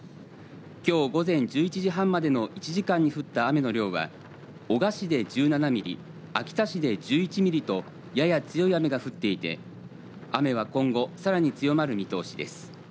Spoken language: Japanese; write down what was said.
きょう午前１１時半までの１時間に降った雨の量は男鹿市で１７ミリ秋田市で１１ミリとやや強い雨が降っていて雨は今後さらに強まる見通しです。